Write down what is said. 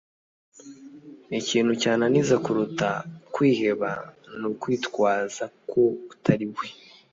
ikintu cyananiza kuruta kwiheba ni ukwitwaza ko utari we